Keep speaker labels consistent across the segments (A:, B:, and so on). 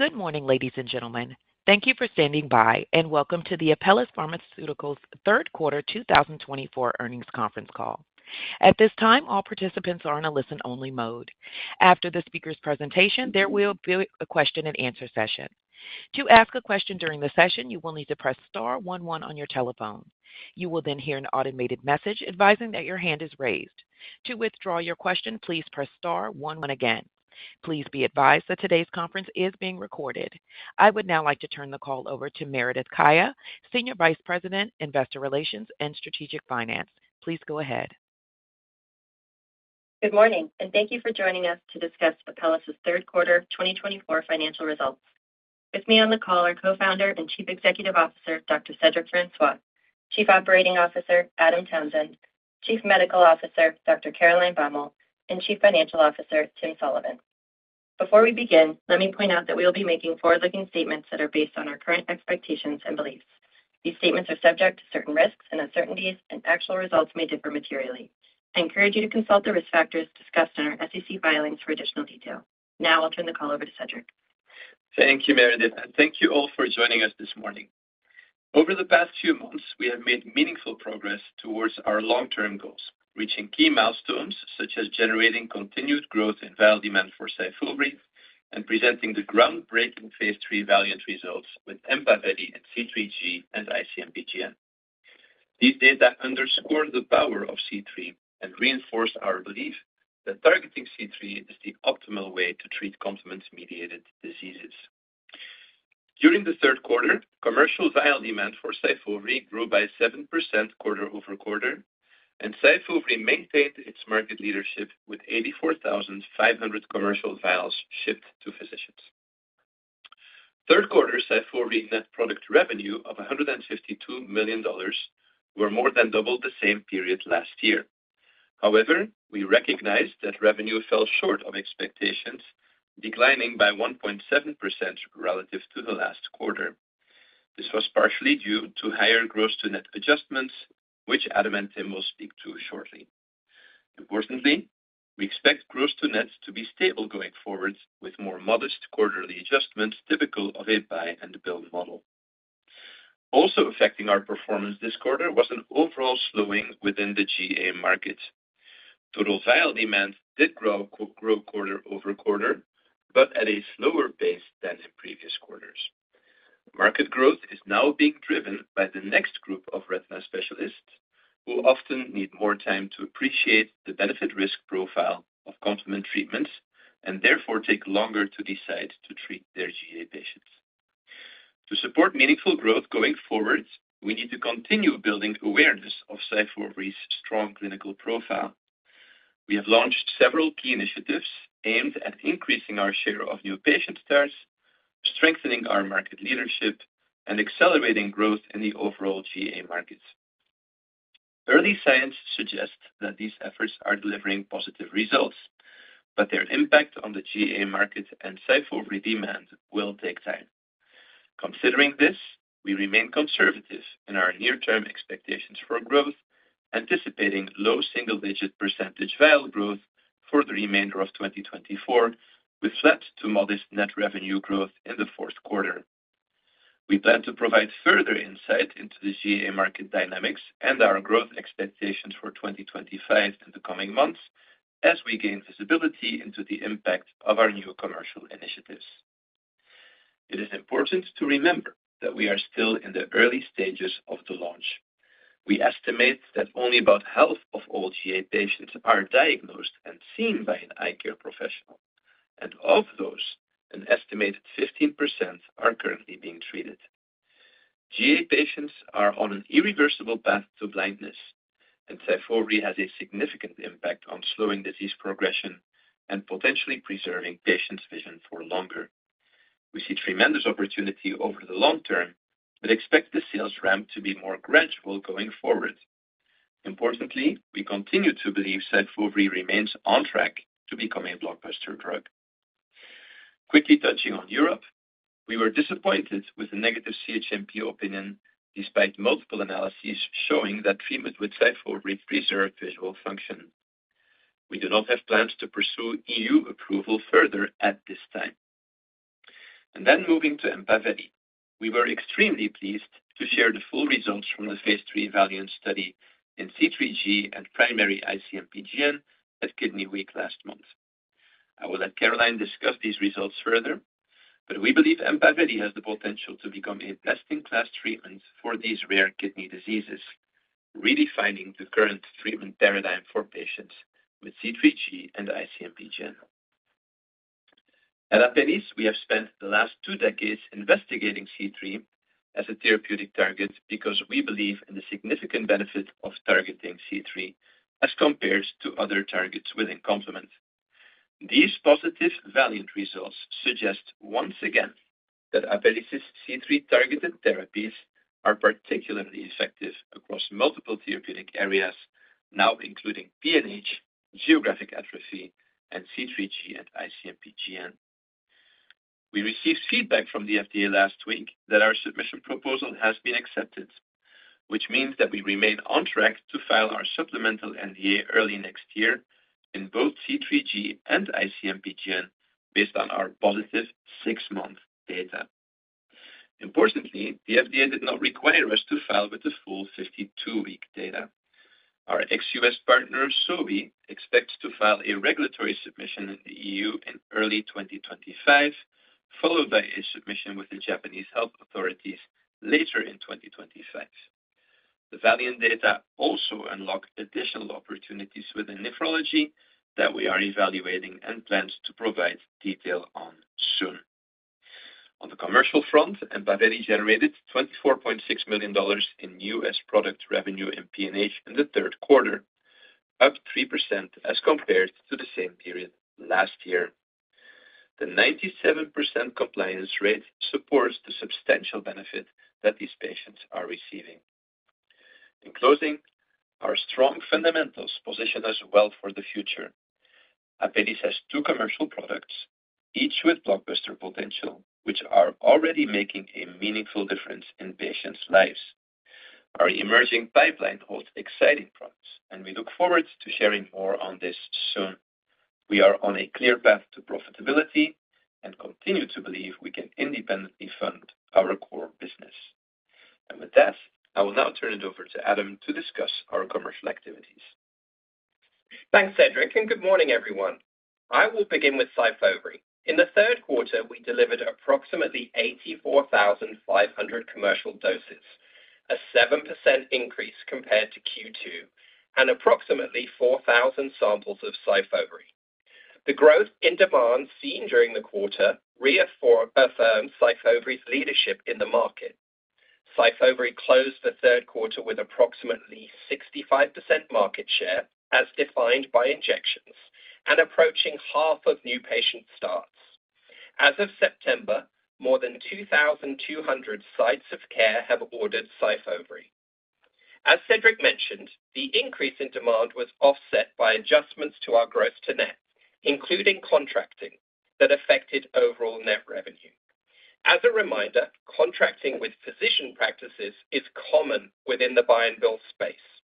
A: Good morning, ladies and gentlemen. Thank you for standing by, and welcome to the Apellis Pharmaceuticals' third quarter 2024 earnings conference call. At this time, all participants are in a listen-only mode. After the speaker's presentation, there will be a question-and-answer session. To ask a question during the session, you will need to press Star one one on your telephone. You will then hear an automated message advising that your hand is raised. To withdraw your question, please press Star one one again. Please be advised that today's conference is being recorded. I would now like to turn the call over to Meredith Kaya, Senior Vice President, Investor Relations and Strategic Finance. Please go ahead.
B: Good morning, and thank you for joining us to discuss Apellis' third quarter 2024 financial results. With me on the call are Co-Founder and Chief Executive Officer, Dr. Cedric Francois; Chief Operating Officer, Adam Townsend; Chief Medical Officer, Dr. Caroline Baumal; and Chief Financial Officer, Tim Sullivan. Before we begin, let me point out that we will be making forward-looking statements that are based on our current expectations and beliefs. These statements are subject to certain risks and uncertainties, and actual results may differ materially. I encourage you to consult the risk factors discussed in our SEC filings for additional detail. Now, I'll turn the call over to Cedric.
C: Thank you, Meredith, and thank you all for joining us this morning. Over the past few months, we have made meaningful progress towards our long-term goals, reaching key milestones such as generating continued growth in value demand for Syfovre and presenting the groundbreaking phase III VALIANT results with Empaveli and C3G and IC-MPGN. These data underscore the power of C3 and reinforce our belief that targeting C3 is the optimal way to treat complement-mediated diseases. During the third quarter, commercial vial demand for Syfovre grew by 7% quarter over quarter, and Syfovre maintained its market leadership with 84,500 commercial vials shipped to physicians. Third quarter Syfovre net product revenue of $152 million was more than double the same period last year. However, we recognized that revenue fell short of expectations, declining by 1.7% relative to the last quarter. This was partially due to higher gross-to-net adjustments, which Adam and Tim will speak to shortly. Importantly, we expect gross-to-net to be stable going forward, with more modest quarterly adjustments typical of a buy-and-bill model. Also affecting our performance this quarter was an overall slowing within the GA market. Total vial demand did grow quarter over quarter, but at a slower pace than in previous quarters. Market growth is now being driven by the next group of retina specialists, who often need more time to appreciate the benefit-risk profile of complement treatments and therefore take longer to decide to treat their GA patients. To support meaningful growth going forward, we need to continue building awareness of Syfovre's strong clinical profile. We have launched several key initiatives aimed at increasing our share of new patient starts, strengthening our market leadership, and accelerating growth in the overall GA market. Early signs suggest that these efforts are delivering positive results, but their impact on the GA market and Syfovre demand will take time. Considering this, we remain conservative in our near-term expectations for growth, anticipating low single-digit % vial growth for the remainder of 2024, with flat to modest net revenue growth in the fourth quarter. We plan to provide further insight into the GA market dynamics and our growth expectations for 2025 and the coming months as we gain visibility into the impact of our new commercial initiatives. It is important to remember that we are still in the early stages of the launch. We estimate that only about half of all GA patients are diagnosed and seen by an eye care professional, and of those, an estimated 15% are currently being treated. GA patients are on an irreversible path to blindness, and Syfovre has a significant impact on slowing disease progression and potentially preserving patients' vision for longer. We see tremendous opportunity over the long term, but expect the sales ramp to be more gradual going forward. Importantly, we continue to believe Syfovre remains on track to become a blockbuster drug. Quickly touching on Europe, we were disappointed with the negative CHMP opinion despite multiple analyses showing that treatment with Syfovre preserved visual function. We do not have plans to pursue EU approval further at this time. And then moving to Empaveli, we were extremely pleased to share the full results from the phase 3 VALIANT study in C3G and primary IC-MPGN at Kidney Week last month. I will let Caroline discuss these results further, but we believe Empaveli has the potential to become a best-in-class treatment for these rare kidney diseases, redefining the current treatment paradigm for patients with C3G and IC-MPGN. At Apellis, we have spent the last two decades investigating C3 as a therapeutic target because we believe in the significant benefit of targeting C3 as compared to other targets within complement. These positive VALIANT results suggest once again that Apellis' C3-targeted therapies are particularly effective across multiple therapeutic areas, now including PNH, geographic atrophy, and C3G and IC-MPGN. We received feedback from the FDA last week that our submission proposal has been accepted, which means that we remain on track to file our supplemental NDA early next year in both C3G and IC-MPGN based on our positive six-month data. Importantly, the FDA did not require us to file with the full 52-week data. Our ex-U.S. partner, Sobi, expects to file a regulatory submission in the EU in early 2025, followed by a submission with the Japanese health authorities later in 2025. The VALIANT data also unlock additional opportunities within nephrology that we are evaluating and plan to provide detail on soon. On the commercial front, Empaveli generated $24.6 million in U.S. product revenue in PNH in the third quarter, up 3% as compared to the same period last year. The 97% compliance rate supports the substantial benefit that these patients are receiving. In closing, our strong fundamentals position us well for the future. Apellis has two commercial products, each with blockbuster potential, which are already making a meaningful difference in patients' lives. Our emerging pipeline holds exciting promise, and we look forward to sharing more on this soon. We are on a clear path to profitability and continue to believe we can independently fund our core business. And with that, I will now turn it over to Adam to discuss our commercial activities.
D: Thanks, Cedric, and good morning, everyone. I will begin with Syfovre. In the third quarter, we delivered approximately 84,500 commercial doses, a 7% increase compared to Q2, and approximately 4,000 samples of Syfovre. The growth in demand seen during the quarter reaffirms Syfovre's leadership in the market. Syfovre closed the third quarter with approximately 65% market share, as defined by injections, and approaching half of new patient starts. As of September, more than 2,200 sites of care have orderedSyfovre. As Cedric mentioned, the increase in demand was offset by adjustments to our gross-to-net, including contracting, that affected overall net revenue. As a reminder, contracting with physician practices is common within the buy-and-bill space.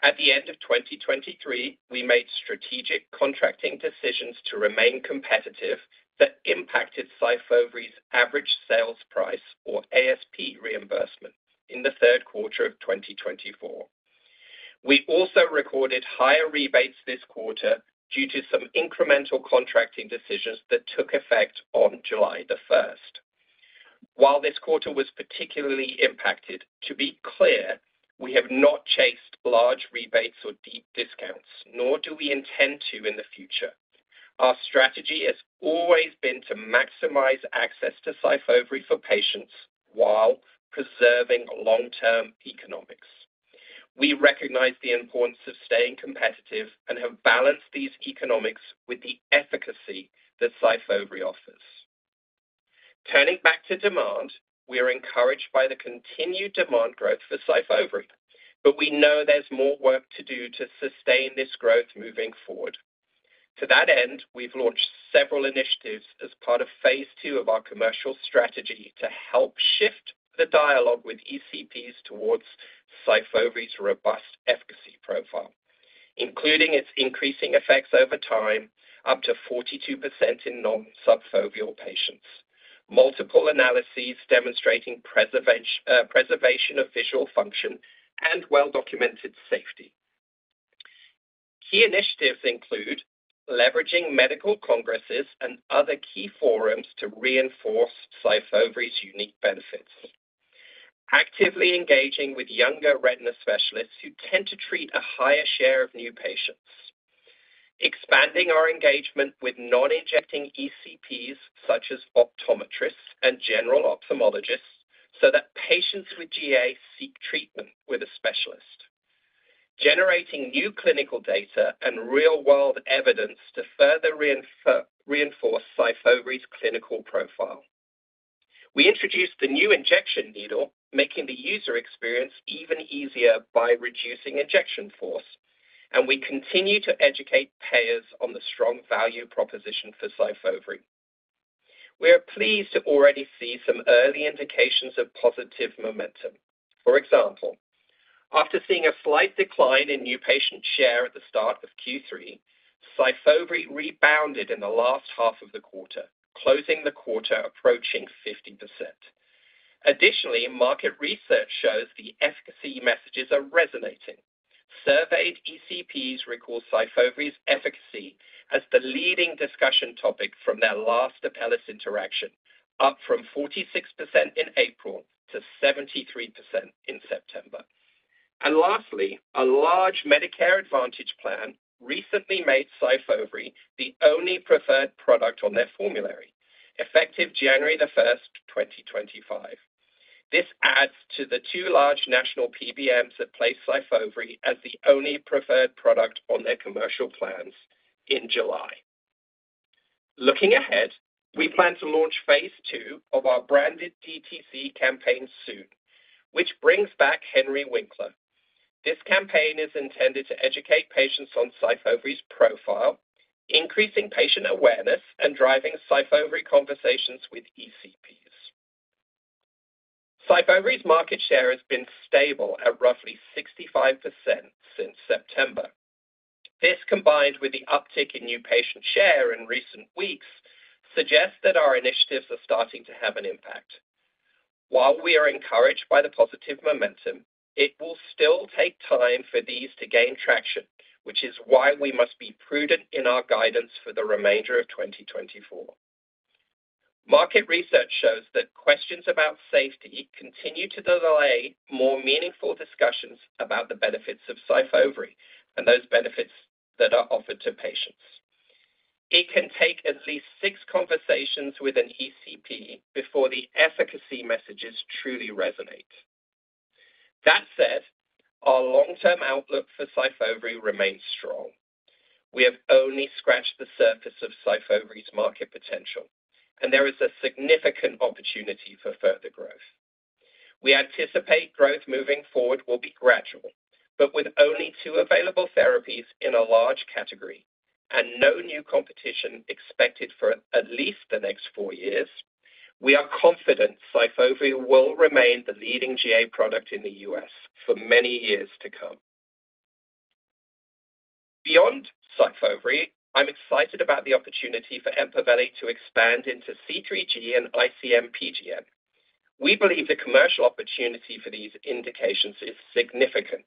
D: At the end of 2023, we made strategic contracting decisions to remain competitive that impacted Syfovre's average sales price, or ASP, reimbursement in the third quarter of 2024. We also recorded higher rebates this quarter due to some incremental contracting decisions that took effect on July the 1st. While this quarter was particularly impacted, to be clear, we have not chased large rebates or deep discounts, nor do we intend to in the future. Our strategy has always been to maximize access to Syfovre for patients while preserving long-term economics. We recognize the importance of staying competitive and have balanced these economics with the efficacy that Syfovre offers. Turning back to demand, we are encouraged by the continued demand growth for Syfovre, but we know there's more work to do to sustain this growth moving forward. To that end, we've launched several initiatives as part of Phase 2 of our commercial strategy to help shift the dialogue with ECPs towards Syfovre's robust efficacy profile, including its increasing effects over time, up to 42% in non-subfoveal patients. Multiple analyses demonstrating preservation of visual function and well-documented safety. Key initiatives include leveraging medical congresses and other key forums to reinforce SYFOVRE's unique benefits, actively engaging with younger retina specialists who tend to treat a higher share of new patients, expanding our engagement with non-injecting ECPs such as optometrists and general ophthalmologists so that patients with GA seek treatment with a specialist, generating new clinical data and real-world evidence to further reinforce SYFOVRE's clinical profile. We introduced the new injection needle, making the user experience even easier by reducing injection force, and we continue to educate payers on the strong value proposition for SYFOVRE. We are pleased to already see some early indications of positive momentum. For example, after seeing a slight decline in new patient share at the start of Q3, SYFOVRE rebounded in the last half of the quarter, closing the quarter approaching 50%. Additionally, market research shows the efficacy messages are resonating. Surveyed ECPs recall Syfovre's efficacy as the leading discussion topic from their last Apellis interaction, up from 46% in April to 73% in September. And lastly, a large Medicare Advantage plan recently made Syfovre the only preferred product on their formulary, effective January the 1st, 2025. This adds to the two large national PBMs that place Syfovre as the only preferred product on their commercial plans in July. Looking ahead, we plan to launch Phase II of our branded DTC campaign soon, which brings back Henry Winkler. This campaign is intended to educate patients on Syfovre's profile, increasing patient awareness, and driving Syfovre conversations with ECPs. Syfovre market share has been stable at roughly 65% since September. This, combined with the uptick in new patient share in recent weeks, suggests that our initiatives are starting to have an impact. While we are encouraged by the positive momentum, it will still take time for these to gain traction, which is why we must be prudent in our guidance for the remainder of 2024. Market research shows that questions about safety continue to delay more meaningful discussions about the benefits of SYFOVRE and those benefits that are offered to patients. It can take at least six conversations with an ECP before the efficacy messages truly resonate. That said, our long-term outlook for SYFOVRE remains strong. We have only scratched the surface of SYFOVRE's market potential, and there is a significant opportunity for further growth. We anticipate growth moving forward will be gradual, but with only two available therapies in a large category and no new competition expected for at least the next four years, we are confident Syfovre will remain the leading GA product in the U.S. for many years to come. Beyond Syfovre, I'm excited about the opportunity for Empaveli to expand into C3G and IC-MPGN. We believe the commercial opportunity for these indications is significant.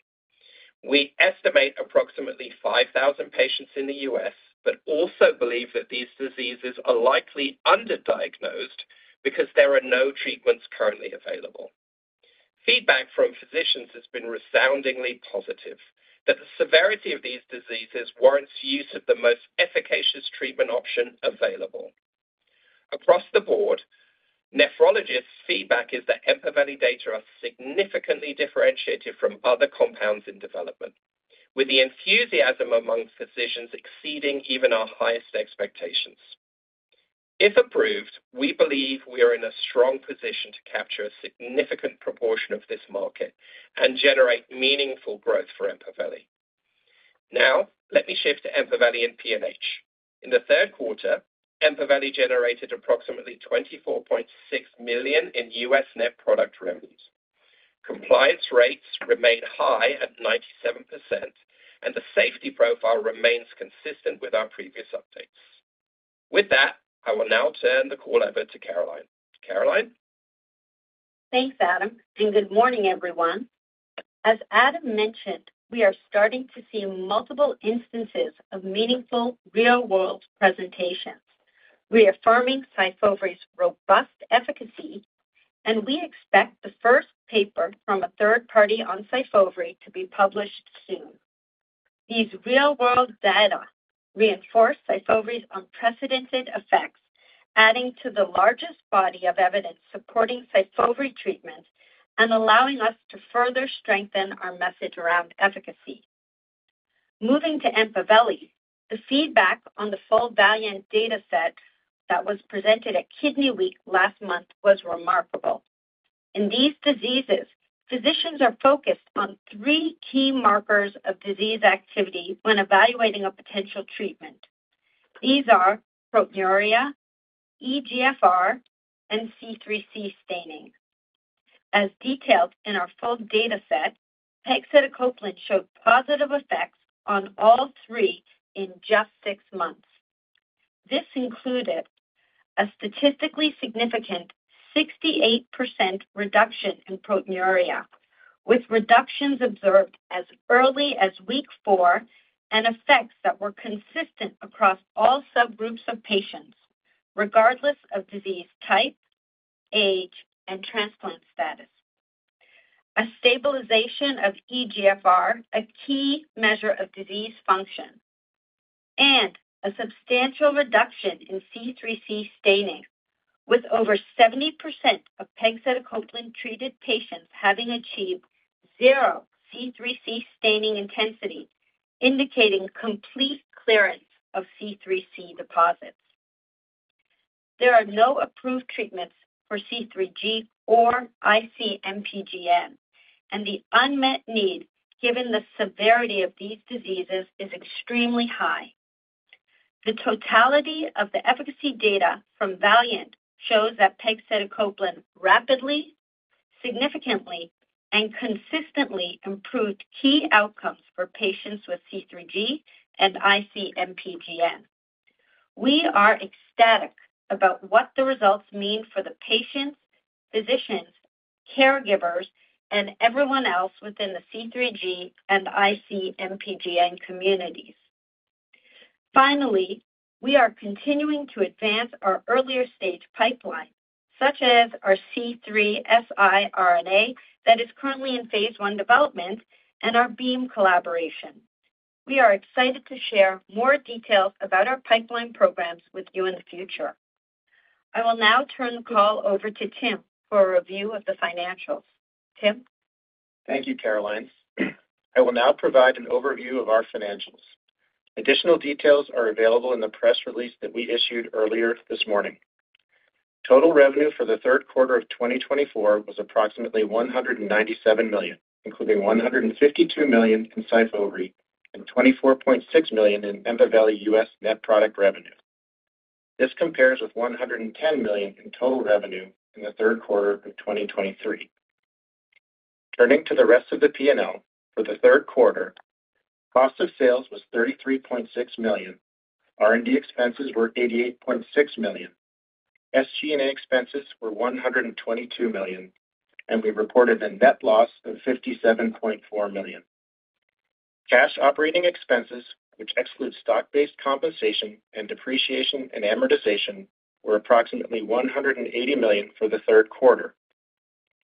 D: We estimate approximately 5,000 patients in the U.S., but also believe that these diseases are likely underdiagnosed because there are no treatments currently available. Feedback from physicians has been resoundingly positive that the severity of these diseases warrants use of the most efficacious treatment option available. Across the board, nephrologists' feedback is that Empaveli data are significantly differentiated from other compounds in development, with the enthusiasm among physicians exceeding even our highest expectations. If approved, we believe we are in a strong position to capture a significant proportion of this market and generate meaningful growth for Empaveli. Now, let me shift to Empaveli and PNH. In the third quarter, Empaveli generated approximately $24.6 million in U.S. net product revenues. Compliance rates remain high at 97%, and the safety profile remains consistent with our previous updates. With that, I will now turn the call over to Caroline. Caroline?
E: Thanks, Adam, and good morning, everyone. As Adam mentioned, we are starting to see multiple instances of meaningful real-world presentations, reaffirming Syfovre's robust efficacy, and we expect the first paper from a third party on Syfovre to be published soon. These real-world data reinforce Syfovre's unprecedented effects, adding to the largest body of evidence supporting Syfovre treatment and allowing us to further strengthen our message around efficacy. Moving to Empaveli, the feedback on the full VALIANT data set that was presented at Kidney Week last month was remarkable. In these diseases, physicians are focused on three key markers of disease activity when evaluating a potential treatment. These are proteinuria, eGFR, and C3c staining. As detailed in our full data set, pegcetacoplan showed positive effects on all three in just six months. This included a statistically significant 68% reduction in proteinuria, with reductions observed as early as week four and effects that were consistent across all subgroups of patients, regardless of disease type, age, and transplant status. A stabilization of eGFR, a key measure of disease function, and a substantial reduction in C3c staining, with over 70% of pegcetacoplan treated patients having achieved zero C3c staining intensity, indicating complete clearance of C3c deposits. There are no approved treatments for C3G or IC-MPGN, and the unmet need, given the severity of these diseases, is extremely high. The totality of the efficacy data from VALIANT shows that pegcetacoplan rapidly, significantly, and consistently improved key outcomes for patients with C3G and IC-MPGN. We are ecstatic about what the results mean for the patients, physicians, caregivers, and everyone else within the C3G and IC-MPGN communities. Finally, we are continuing to advance our earlier stage pipeline, such as our C3 siRNA that is currently in phase one development and our BEAM collaboration. We are excited to share more details about our pipeline programs with you in the future. I will now turn the call over to Tim for a review of the financials. Tim?
F: Thank you, Caroline. I will now provide an overview of our financials. Additional details are available in the press release that we issued earlier this morning. Total revenue for the third quarter of 2024 was approximately $197 million, including $152 million in Syfovre and $24.6 million in Empaveli U.S. net product revenue. This compares with $110 million in total revenue in the third quarter of 2023. Turning to the rest of the P&L for the third quarter, cost of sales was $33.6 million. R&D expenses were $88.6 million. SG&A expenses were $122 million, and we reported a net loss of $57.4 million. Cash operating expenses, which exclude stock-based compensation and depreciation and amortization, were approximately $180 million for the third quarter.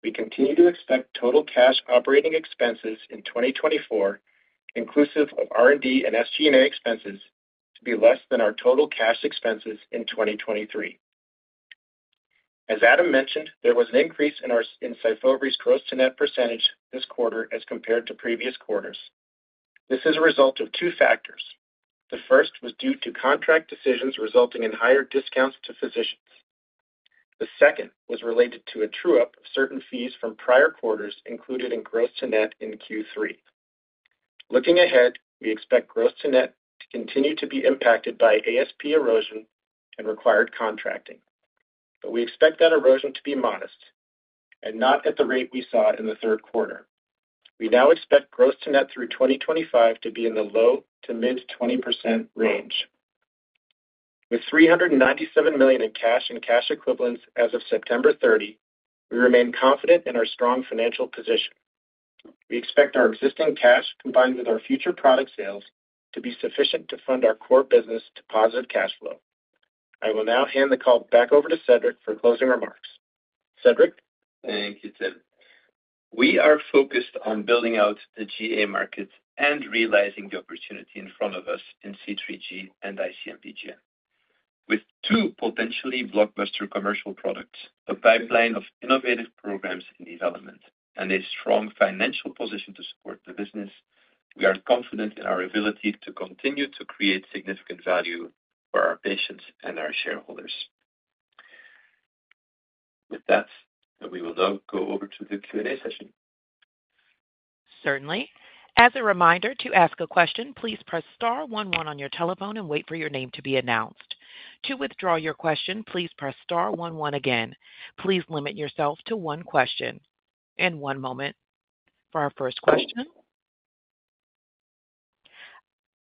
F: We continue to expect total cash operating expenses in 2024, inclusive of R&D and SG&A expenses, to be less than our total cash expenses in 2023. As Adam mentioned, there was an increase in Syfovre's gross-to-net percentage this quarter as compared to previous quarters. This is a result of two factors. The first was due to contract decisions resulting in higher discounts to physicians. The second was related to a true-up of certain fees from prior quarters included in gross-to-net in Q3. Looking ahead, we expect gross-to-net to continue to be impacted by ASP erosion and required contracting, but we expect that erosion to be modest and not at the rate we saw in the third quarter. We now expect gross-to-net through 2025 to be in the low to mid-20% range. With $397 million in cash and cash equivalents as of September 30, we remain confident in our strong financial position. We expect our existing cash, combined with our future product sales, to be sufficient to fund our core business to positive cash flow. I will now hand the call back over to Cedric for closing remarks. Cedric?
C: Thank you, Tim. We are focused on building out the GA market and realizing the opportunity in front of us in C3G and IC-MPGN. With two potentially blockbuster commercial products, a pipeline of innovative programs in development, and a strong financial position to support the business, we are confident in our ability to continue to create significant value for our patients and our shareholders. With that, we will now go over to the Q&A session.
A: Certainly. As a reminder, to ask a question, please press Star one one on your telephone and wait for your name to be announced. To withdraw your question, please press Star one one again. Please limit yourself to one question. And one moment for our first question.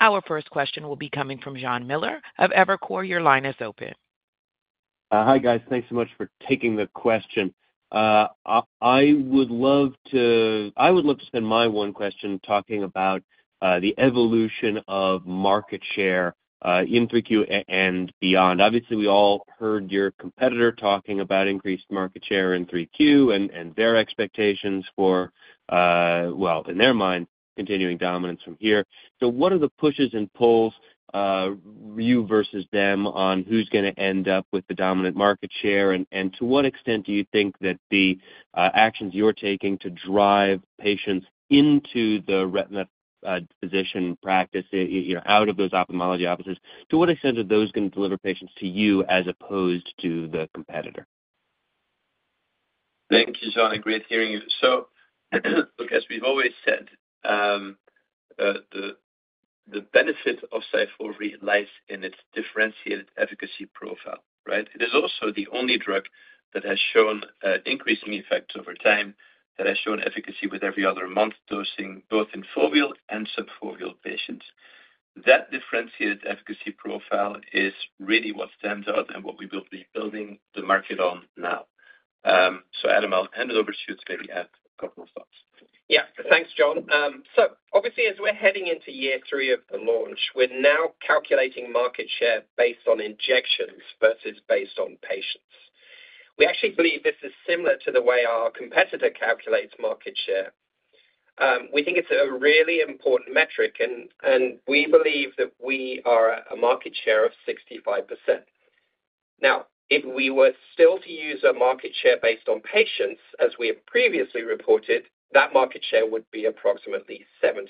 A: Our first question will be coming from Jon Miller. Evercore, your line is open.
G: Hi, guys. Thanks so much for taking the question. I would love to spend my one question talking about the evolution of market share in 3Q and beyond. Obviously, we all heard your competitor talking about increased market share in 3Q and their expectations for, well, in their mind, continuing dominance from here. So what are the pushes and pulls, you versus them, on who's going to end up with the dominant market share? And to what extent do you think that the actions you're taking to drive patients into the retina physician practice, out of those ophthalmology offices, to what extent are those going to deliver patients to you as opposed to the competitor?
C: Thank you, John. Great hearing you. So, look, as we've always said, the benefit of Syfovre lies in its differentiated efficacy profile, right? It is also the only drug that has shown increasing effects over time that has shown efficacy with every other month dosing, both in foveal and subfoveal patients. That differentiated efficacy profile is really what stands out and what we will be building the market on now. So, Adam, I'll hand it over to you to maybe add a couple of thoughts.
D: Yeah, thanks, John. So, obviously, as we're heading into year three of the launch, we're now calculating market share based on injections versus based on patients. We actually believe this is similar to the way our competitor calculates market share. We think it's a really important metric, and we believe that we are at a market share of 65%. Now, if we were still to use a market share based on patients, as we have previously reported, that market share would be approximately 70%.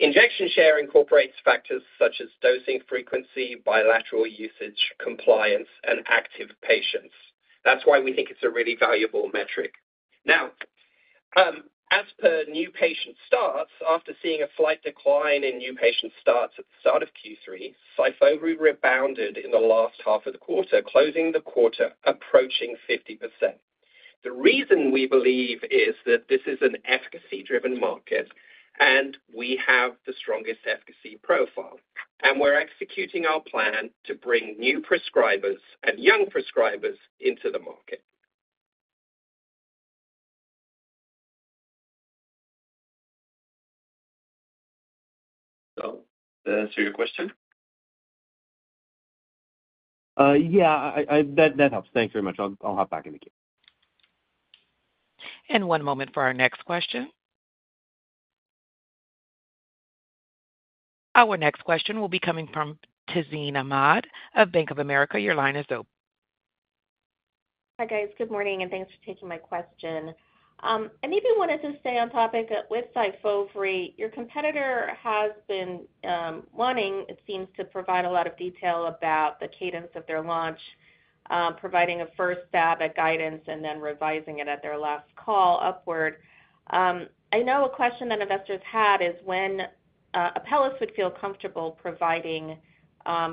D: Injection share incorporates factors such as dosing frequency, bilateral usage, compliance, and active patients. That's why we think it's a really valuable metric. Now, as per new patient starts, after seeing a slight decline in new patient starts at the start of Q3, Syfovre rebounded in the last half of the quarter, closing the quarter approaching 50%. The reason we believe is that this is an efficacy-driven market, and we have the strongest efficacy profile, and we're executing our plan to bring new prescribers and young prescribers into the market. So that answered your question?
G: Yeah, that helps. Thanks very much. I'll hop back in a few.
A: One moment for our next question. Our next question will be coming from Tazeen Ahmad of Bank of America. Your line is open.
H: Hi, guys. Good morning, and thanks for taking my question. I maybe wanted to stay on topic. With Syfovre, your competitor has been wanting, it seems, to provide a lot of detail about the cadence of their launch, providing a first stab at guidance, and then revising it at their last call upward. I know a question that investors had is when Apellis would feel comfortable providing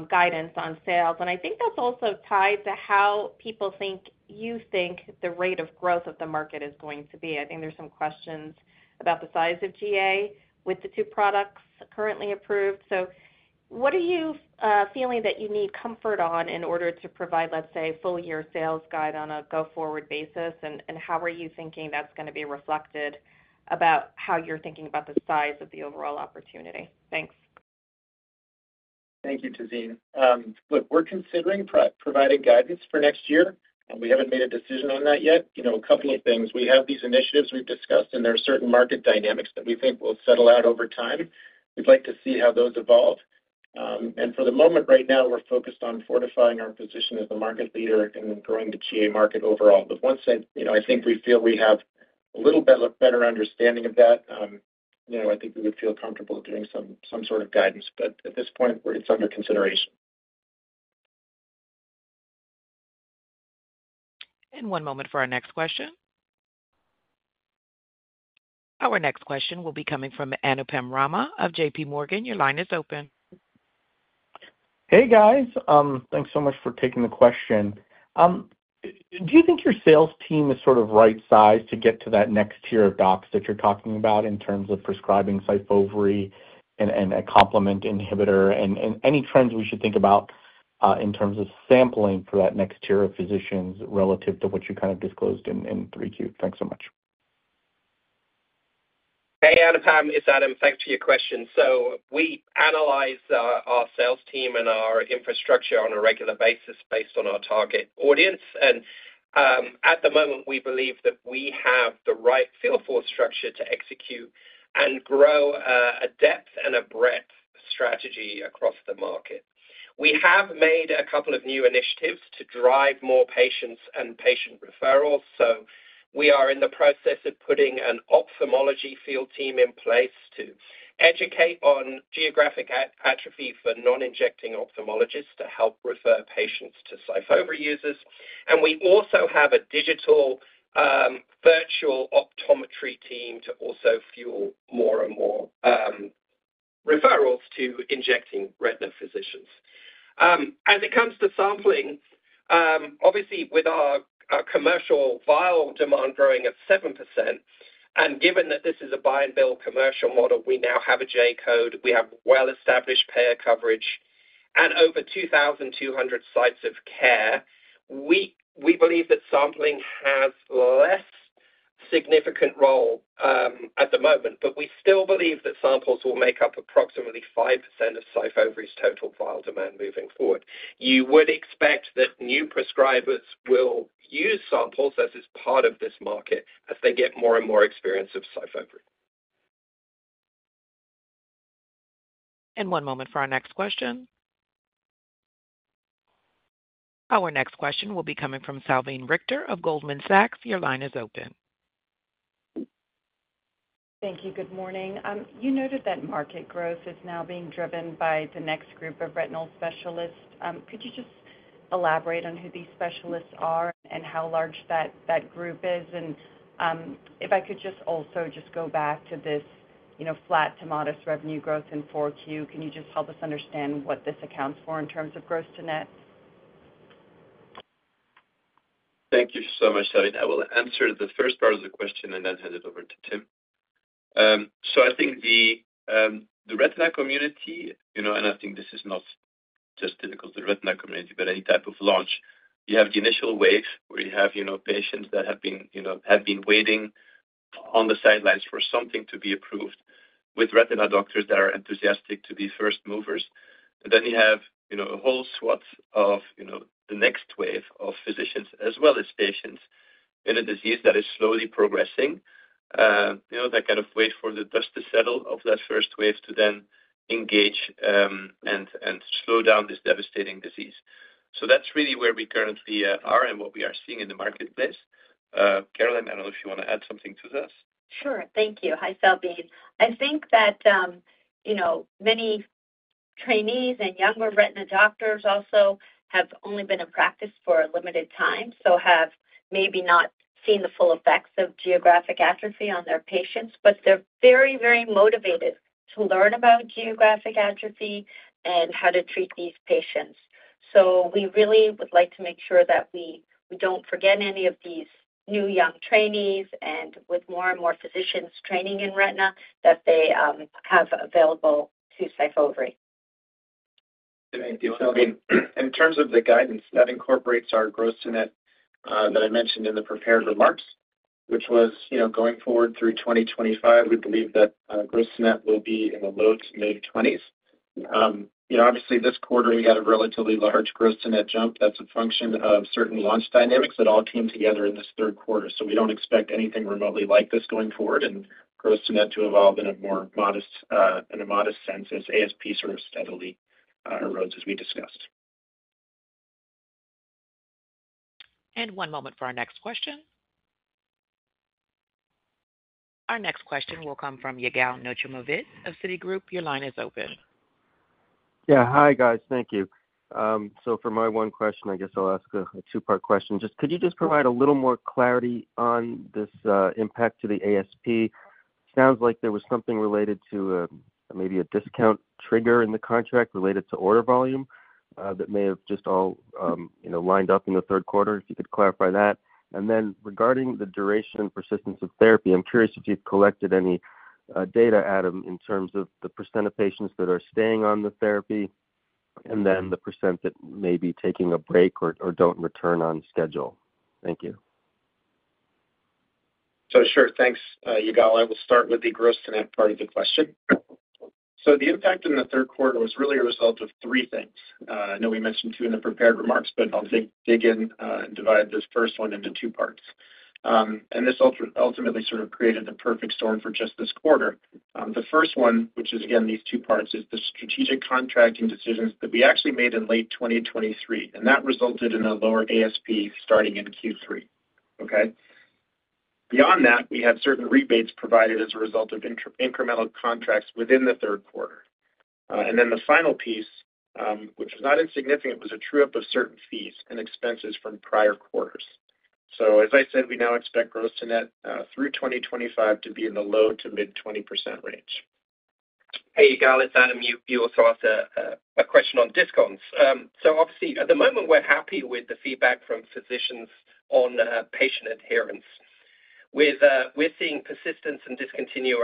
H: guidance on sales, and I think that's also tied to how people think you think the rate of growth of the market is going to be. I think there's some questions about the size of GA with the two products currently approved. So what are you feeling that you need comfort on in order to provide, let's say, a full-year sales guide on a go-forward basis? And how are you thinking that's going to be reflected about how you're thinking about the size of the overall opportunity? Thanks.
C: Thank you, Tazeen. Look, we're considering providing guidance for next year, and we haven't made a decision on that yet. A couple of things. We have these initiatives we've discussed, and there are certain market dynamics that we think will settle out over time. We'd like to see how those evolve. And for the moment, right now, we're focused on fortifying our position as a market leader and growing the GA market overall. But once I think we feel we have a little bit of a better understanding of that, I think we would feel comfortable doing some sort of guidance. But at this point, it's under consideration.
A: One moment for our next question. Our next question will be coming from Anupam Rama of JPMorgan. Your line is open.
I: Hey, guys. Thanks so much for taking the question. Do you think your sales team is sort of right-sized to get to that next tier of docs that you're talking about in terms of prescribing Syfovre and a complement inhibitor? And any trends we should think about in terms of sampling for that next tier of physicians relative to what you kind of disclosed in 3Q? Thanks so much.
D: Hey, Anupam. It's Adam. Thanks for your question. So we analyze our sales team and our infrastructure on a regular basis based on our target audience. And at the moment, we believe that we have the right field force structure to execute and grow a depth and a breadth strategy across the market. We have made a couple of new initiatives to drive more patients and patient referrals. So we are in the process of putting an ophthalmology field team in place to educate on geographic atrophy for non-injecting ophthalmologists to help refer patients to Syfovre users. And we also have a digital virtual optometry team to also fuel more and more referrals to injecting retina physicians. As it comes to sampling, obviously, with our commercial vial demand growing at 7%, and given that this is a buy-and-bill commercial model, we now have a J code, we have well-established payer coverage, and over 2,200 sites of care, we believe that sampling has less significant role at the moment. But we still believe that samples will make up approximately 5% of Syfovre's total vial demand moving forward. You would expect that new prescribers will use samples as it's part of this market as they get more and more experience of Syfovre.
A: One moment for our next question. Our next question will be coming from Salveen Richter of Goldman Sachs. Your line is open.
J: Thank you. Good morning. You noted that market growth is now being driven by the next group of retinal specialists. Could you just elaborate on who these specialists are and how large that group is, and if I could just also just go back to this flat to modest revenue growth in 4Q, can you just help us understand what this accounts for in terms of gross-to-net?
C: Thank you so much, Salveen. I will answer the first part of the question and then hand it over to Tim. So I think the retina community, and I think this is not just typical of the retina community, but any type of launch, you have the initial wave where you have patients that have been waiting on the sidelines for something to be approved with retina doctors that are enthusiastic to be first movers. And then you have a whole swath of the next wave of physicians as well as patients in a disease that is slowly progressing, that kind of wait for the dust to settle of that first wave to then engage and slow down this devastating disease. So that's really where we currently are and what we are seeing in the marketplace. Caroline, I don't know if you want to add something to this.
E: Sure. Thank you. Hi, Salveen. I think that many trainees and younger retina doctors also have only been in practice for a limited time, so have maybe not seen the full effects of geographic atrophy on their patients, but they're very, very motivated to learn about geographic atrophy and how to treat these patients. So we really would like to make sure that we don't forget any of these new young trainees and with more and more physicians training in retina that they have available to Syfovre.
C: Thank you. In terms of the guidance that incorporates our gross-to-net that I mentioned in the prepared remarks, which was going forward through 2025, we believe that gross-to-net will be in the low to mid-20s. Obviously, this quarter, we had a relatively large gross-to-net jump. That's a function of certain launch dynamics that all came together in this third quarter. So we don't expect anything remotely like this going forward and gross-to-net to evolve in a more modest sense as ASP sort of steadily erodes as we discussed.
A: One moment for our next question. Our next question will come from Yigal Nochomovitz of Citigroup. Your line is open.
K: Yeah. Hi, guys. Thank you. So for my one question, I guess I'll ask a two-part question. Just could you just provide a little more clarity on this impact to the ASP? Sounds like there was something related to maybe a discount trigger in the contract related to order volume that may have just all lined up in the third quarter. If you could clarify that. And then regarding the duration and persistence of therapy, I'm curious if you've collected any data, Adam, in terms of the percent of patients that are staying on the therapy and then the percent that may be taking a break or don't return on schedule. Thank you.
C: So sure. Thanks, Yigal. I will start with the gross-to-net part of the question. So the impact in the third quarter was really a result of three things. I know we mentioned two in the prepared remarks, but I'll dig in and divide this first one into two parts. And this ultimately sort of created a perfect storm for just this quarter. The first one, which is, again, these two parts, is the strategic contracting decisions that we actually made in late 2023. And that resulted in a lower ASP starting in Q3. Okay? Beyond that, we had certain rebates provided as a result of incremental contracts within the third quarter. And then the final piece, which is not insignificant, was a true-up of certain fees and expenses from prior quarters. So as I said, we now expect gross-to-net through 2025 to be in the low-to-mid 20% range.
D: Hey, Yigal. It's Adam. You also asked a question on discounts. So obviously, at the moment, we're happy with the feedback from physicians on patient adherence. We're seeing persistence and discontinuation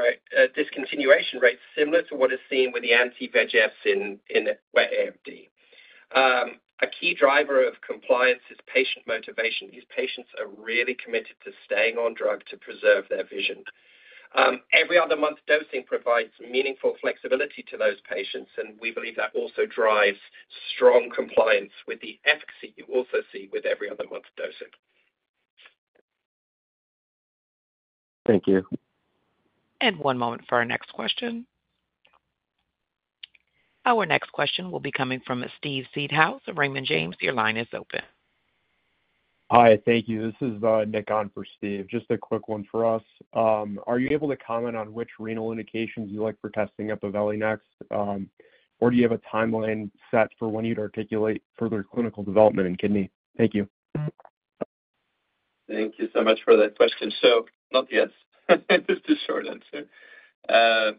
D: rates similar to what is seen with the anti-VEGFs in AMD. A key driver of compliance is patient motivation. These patients are really committed to staying on drug to preserve their vision. Every other month, dosing provides meaningful flexibility to those patients, and we believe that also drives strong compliance with the efficacy you also see with every other month's dosing.
K: Thank you.
A: And one moment for our next question. Our next question will be coming from Steve Seedhouse of Raymond James. Your line is open.
L: Hi. Thank you. This is Nick, on for Steve. Just a quick one for us. Are you able to comment on which renal indications you like for testing at Empaveli next, or do you have a timeline set for when you'd articulate further clinical development in kidney? Thank you.
C: Thank you so much for that question. So not yet. It's just a short answer.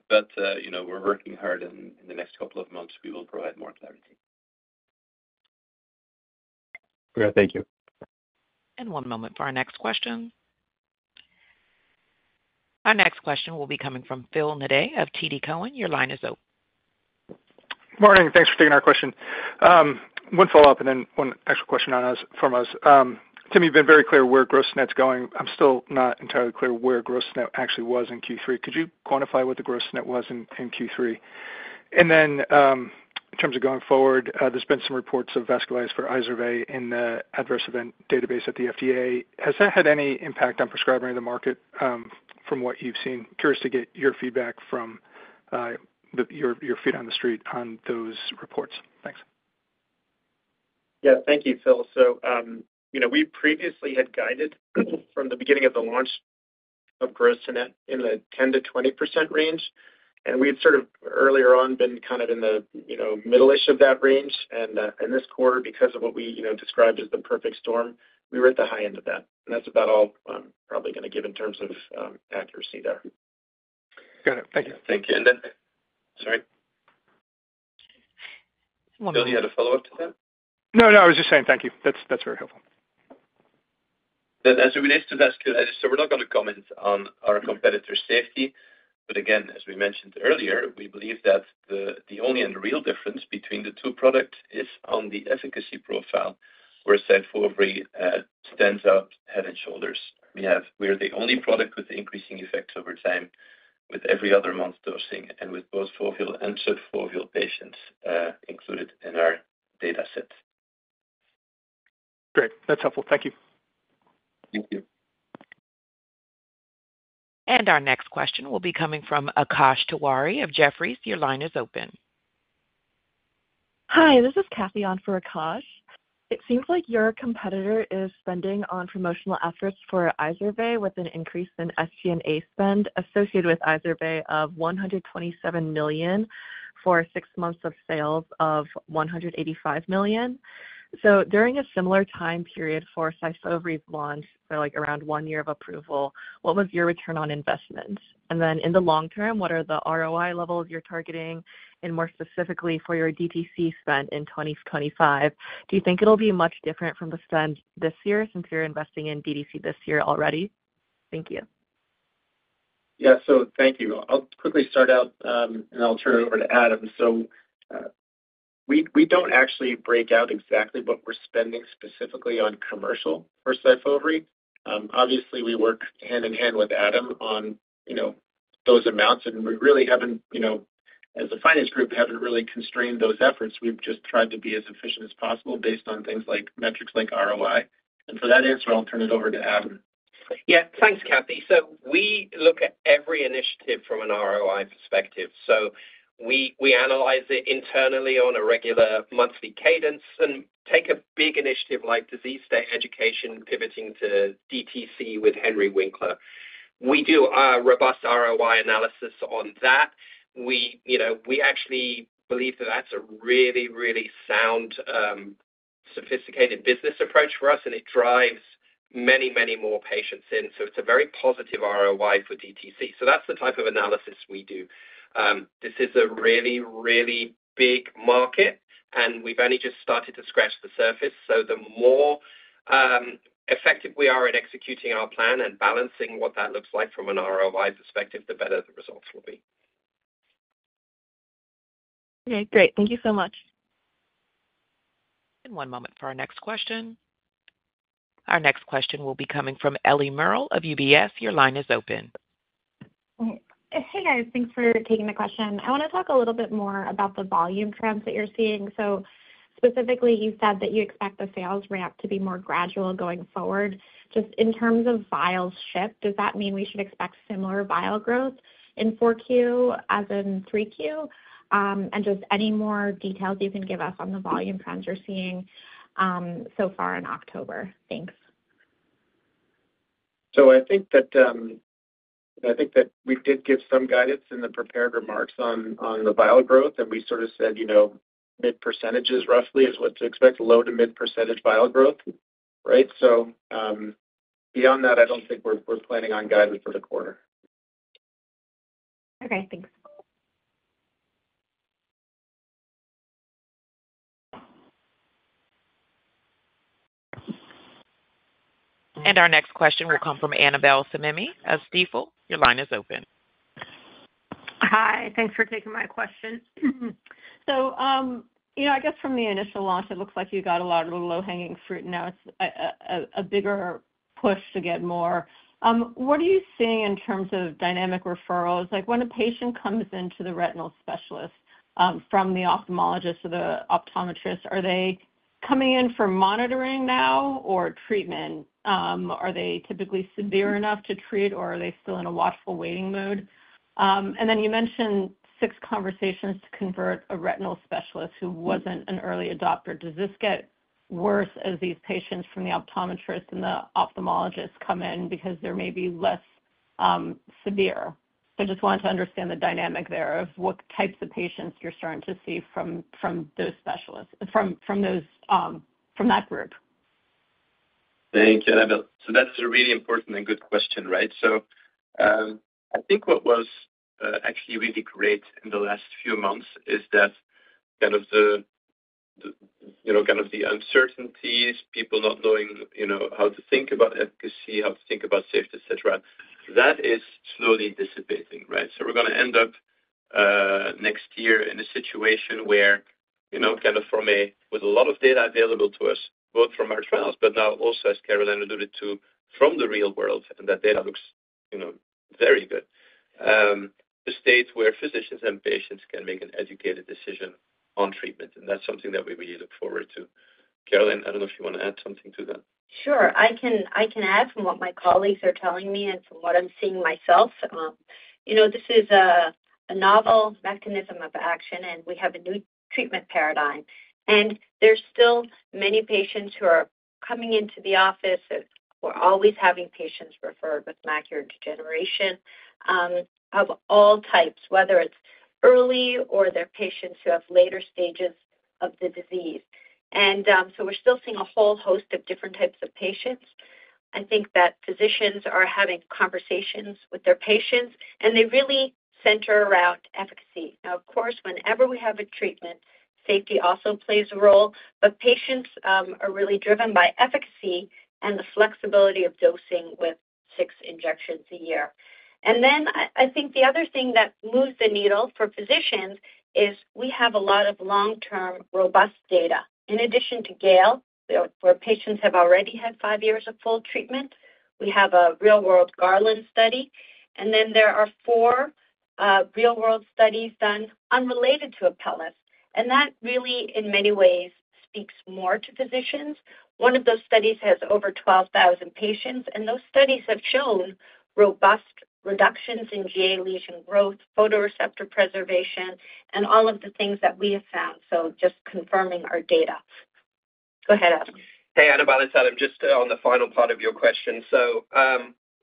C: But we're working hard, and in the next couple of months, we will provide more clarity.
L: Great. Thank you.
A: One moment for our next question. Our next question will be coming from Phil Nadeau of TD Cowen. Your line is open.
M: Morning. Thanks for taking our question. One follow-up and then one extra question from us. Tim, you've been very clear where gross-to-net's going. I'm still not entirely clear where gross-to-net actually was in Q3. Could you quantify what the gross-to-net was in Q3? And then in terms of going forward, there's been some reports of vasculitis for Izervay in the adverse event database at the FDA. Has that had any impact on prescribing in the market from what you've seen? Curious to get your feedback from your feet on the street on those reports. Thanks.
C: Yeah. Thank you, Phil. So we previously had guided from the beginning of the launch of gross-to-net in the 10%-20% range. And we had sort of earlier on been kind of in the middle-ish of that range. And in this quarter, because of what we described as the perfect storm, we were at the high end of that. And that's about all I'm probably going to give in terms of accuracy there.
M: Got it. Thank you.
C: Thank you. And then, sorry, Phil. You had a follow-up to that?
M: No, no. I was just saying thank you. That's very helpful.
C: That's very nice to ask. So we're not going to comment on our competitor safety. But again, as we mentioned earlier, we believe that the only and real difference between the two products is on the efficacy profile where Syfovre stands out head and shoulders. We are the only product with increasing effects over time with every other month's dosing and with both foveal and subfoveal patients included in our dataset.
M: Great. That's helpful. Thank you.
C: Thank you.
A: Our next question will be coming from Akash Tewari of Jefferies. Your line is open.
N: Hi. This is Kathy, on for Akash. It seems like your competitor is spending on promotional efforts for Izervay with an increase in SG&A spend associated with Izervay of $127 million for six months of sales of $185 million. So during a similar time period for Syfovre's launch, so around one year of approval, what was your return on investment? And then in the long term, what are the ROI levels you're targeting? And more specifically, for your DTC spend in 2025, do you think it'll be much different from the spend this year since you're investing in DTC this year already? Thank you.
C: Yeah. So thank you. I'll quickly start out, and I'll turn it over to Adam. So we don't actually break out exactly what we're spending specifically on commercial for Syfovre. Obviously, we work hand in hand with Adam on those amounts, and we really haven't, as a finance group, haven't really constrained those efforts. We've just tried to be as efficient as possible based on things like metrics like ROI. And for that answer, I'll turn it over to Adam.
D: Yeah. Thanks, Kathy. So we look at every initiative from an ROI perspective. So we analyze it internally on a regular monthly cadence and take a big initiative like disease state education, pivoting to DTC with Henry Winkler. We do a robust ROI analysis on that. We actually believe that that's a really, really sound, sophisticated business approach for us, and it drives many, many more patients in. So it's a very positive ROI for DTC. So that's the type of analysis we do. This is a really, really big market, and we've only just started to scratch the surface. So the more effective we are at executing our plan and balancing what that looks like from an ROI perspective, the better the results will be.
N: Okay. Great. Thank you so much.
A: And one moment for our next question. Our next question will be coming from Ellie Merle of UBS. Your line is open.
O: Hey, guys. Thanks for taking the question. I want to talk a little bit more about the volume trends that you're seeing. So specifically, you said that you expect the sales ramp to be more gradual going forward. Just in terms of vial shift, does that mean we should expect similar vial growth in 4Q as in 3Q? And just any more details you can give us on the volume trends you're seeing so far in October? Thanks.
C: So I think that we did give some guidance in the prepared remarks on the vial growth, and we sort of said mid percentages roughly is what to expect, low to mid-percentage vial growth, right? So beyond that, I don't think we're planning on guidance for the quarter.
O: Okay. Thanks.
A: Our next question will come from Annabel Samimy of Stifel. Your line is open.
P: Hi. Thanks for taking my question. So I guess from the initial launch, it looks like you got a lot of low-hanging fruit, and now it's a bigger push to get more. What are you seeing in terms of dynamic referrals? When a patient comes in to the retinal specialist from the ophthalmologist to the optometrist, are they coming in for monitoring now or treatment? Are they typically severe enough to treat, or are they still in a watchful waiting mode? And then you mentioned six conversations to convert a retinal specialist who wasn't an early adopter. Does this get worse as these patients from the optometrist and the ophthalmologist come in because they may be less severe? So I just wanted to understand the dynamic there of what types of patients you're starting to see from those specialists, from that group.
C: Thank you, Annabel. So that's a really important and good question, right? So I think what was actually really great in the last few months is that kind of the uncertainties, people not knowing how to think about efficacy, how to think about safety, etc., that is slowly dissipating, right? So we're going to end up next year in a situation where kind of from a with a lot of data available to us, both from our trials, but now also as Caroline alluded to, from the real world, and that data looks very good, a state where physicians and patients can make an educated decision on treatment. And that's something that we really look forward to. Caroline, I don't know if you want to add something to that.
E: Sure. I can add from what my colleagues are telling me and from what I'm seeing myself. This is a novel mechanism of action, and we have a new treatment paradigm. And there's still many patients who are coming into the office. We're always having patients referred with macular degeneration of all types, whether it's early or they're patients who have later stages of the disease. And so we're still seeing a whole host of different types of patients. I think that physicians are having conversations with their patients, and they really center around efficacy. Now, of course, whenever we have a treatment, safety also plays a role, but patients are really driven by efficacy and the flexibility of dosing with six injections a year. And then I think the other thing that moves the needle for physicians is we have a lot of long-term robust data. In addition to GALE, where patients have already had five years of full treatment, we have a real-world GARLAND study, and then there are four real-world studies done unrelated to Apellis, and that really, in many ways, speaks more to physicians. One of those studies has over 12,000 patients, and those studies have shown robust reductions in GA lesion growth, photoreceptor preservation, and all of the things that we have found. So just confirming our data. Go ahead, Adam.
D: Hey, Annabel. It's Adam. Just on the final part of your question. So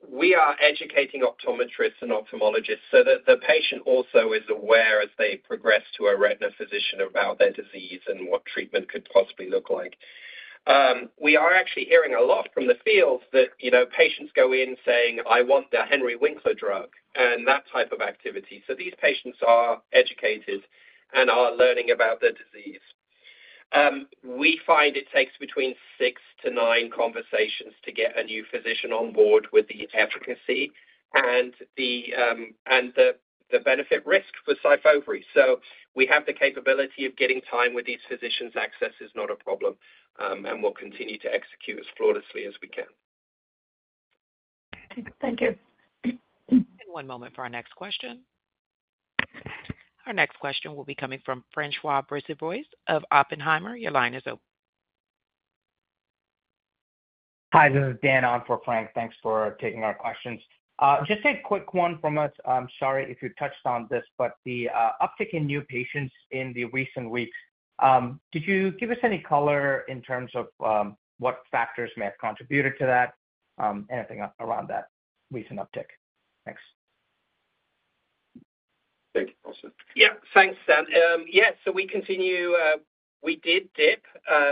D: we are educating optometrists and ophthalmologists so that the patient also is aware as they progress to a retina physician about their disease and what treatment could possibly look like. We are actually hearing a lot from the field that patients go in saying, "I want the Henry Winkler drug," and that type of activity. So these patients are educated and are learning about their disease. We find it takes between six to nine conversations to get a new physician on board with the efficacy and the benefit-risk for SYFOVRE. So we have the capability of getting time with these physicians. Access is not a problem, and we'll continue to execute as flawlessly as we can.
P: Thank you.
A: And one moment for our next question. Our next question will be coming from François Brisebois of Oppenheimer. Your line is open.
N: Hi. This is Dan, on for Frank. Thanks for taking our questions. Just a quick one from us. I'm sorry if you touched on this, but the uptick in new patients in the recent weeks, did you give us any color in terms of what factors may have contributed to that? Anything around that recent uptick? Thanks.
C: Thank you. Also.
D: Yeah. Thanks, Dan. Yeah. So we continue. We did dip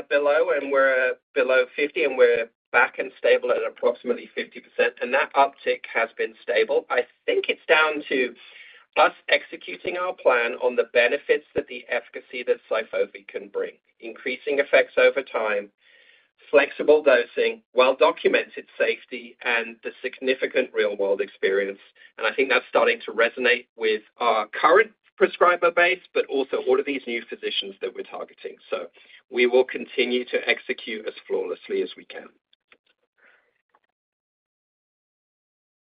D: below, and we're below 50%, and we're back and stable at approximately 50%. And that uptick has been stable. I think it's down to us executing our plan on the benefits that the efficacy that Syfovry can bring, increasing effects over time, flexible dosing, well-documented safety, and the significant real-world experience. And I think that's starting to resonate with our current prescriber base, but also all of these new physicians that we're targeting. So we will continue to execute as flawlessly as we can.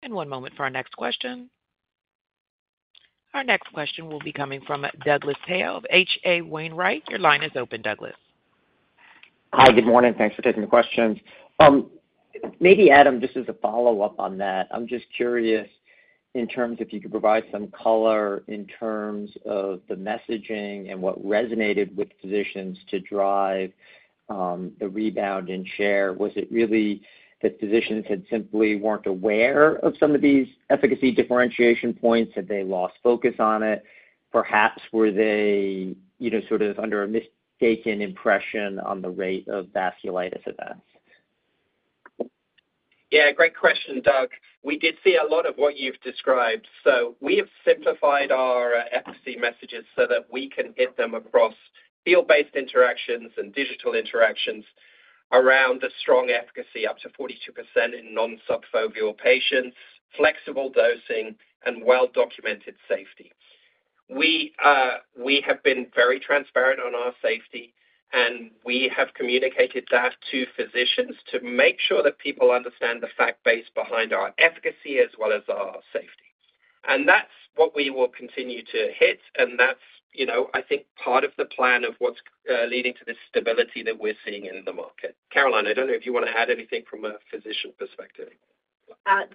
A: And one moment for our next question. Our next question will be coming from Douglas Tsao of H.C. Wainwright & Co. Your line is open, Douglas.
Q: Hi. Good morning. Thanks for taking the questions. Maybe, Adam, just as a follow-up on that, I'm just curious in terms of if you could provide some color in terms of the messaging and what resonated with physicians to drive the rebound and share. Was it really that physicians simply weren't aware of some of these efficacy differentiation points? Had they lost focus on it? Perhaps were they sort of under a mistaken impression on the rate of vasculitis events?
D: Yeah. Great question, Doug. We did see a lot of what you've described. So we have simplified our efficacy messages so that we can hit them across field-based interactions and digital interactions around the strong efficacy up to 42% in non-subfoveal patients, flexible dosing, and well-documented safety. We have been very transparent on our safety, and we have communicated that to physicians to make sure that people understand the fact base behind our efficacy as well as our safety, and that's what we will continue to hit, and that's, I think, part of the plan of what's leading to this stability that we're seeing in the market. Caroline, I don't know if you want to add anything from a physician perspective.